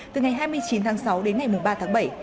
từ ngày hai mươi chín tháng sáu đến ngày ba tháng bảy